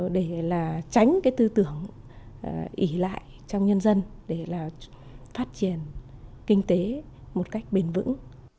để là tránh cái tư tưởng ỉ lại trong nhân dân để là phát triển kinh tế một cách bền vững